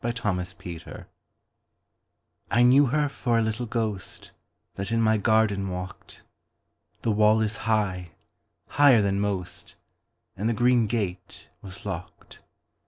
The Little Ghost I KNEW her for a little ghostThat in my garden walked; The wall is high—higher than most—And the green gate was locked.